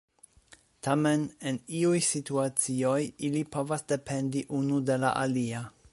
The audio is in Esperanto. Tamen, en iuj situacioj ili povas dependi unu de la alia.